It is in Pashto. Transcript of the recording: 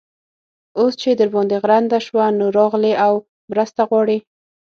اوس چې در باندې غرنده شوه؛ نو، راغلې او مرسته غواړې.